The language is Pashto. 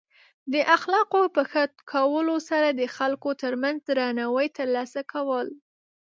د اخلاقو په ښه کولو سره د خلکو ترمنځ درناوی ترلاسه کول.